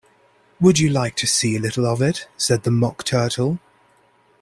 ‘Would you like to see a little of it?’ said the Mock Turtle.